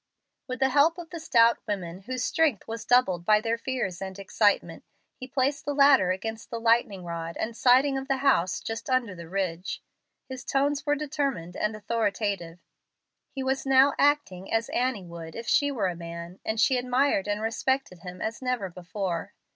With the help of the stout women, whose strength was doubled by their fears and excitement, he placed the ladder against the lightning rod and siding of the house just under the ridge. His tones were determined and authoritative. He was now acting as Annie would if she were a man, and she admired and respected him as never before.